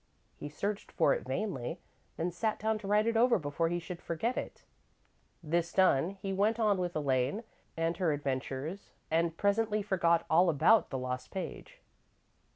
He searched for it vainly, then sat down to write it over before he should forget it. This done, he went on with Elaine and her adventures, and presently forgot all about the lost page.